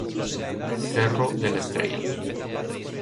Cerro de la Estrella